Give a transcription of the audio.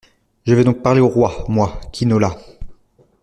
Je vais donc parler au roi, moi, Quinola.